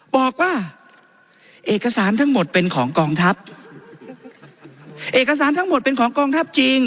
บอกว่าเอกสารทั้งหมดเป็นของกองทัพเอกสารทั้งหมดเป็นของกองทัพจริง